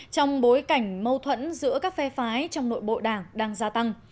trong bối cảnh mâu thuẫn giữa các phe phái trong nội bộ đảng đang gia tăng